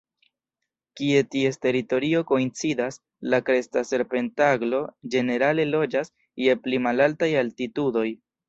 Kie ties teritorio koincidas, la Kresta serpentaglo ĝenerale loĝas je pli malaltaj altitudoj.